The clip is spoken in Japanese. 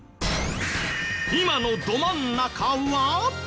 今のど真ん中は。